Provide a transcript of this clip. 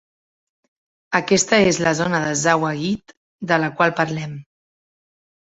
Aquesta és la zona de Zawa'id de la qual parlarem.